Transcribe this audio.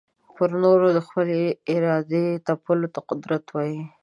پر نورو د خپلي ارادې تپلو ته قدرت وايې.